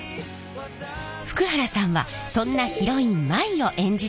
福原さんはそんなヒロイン舞を演じています！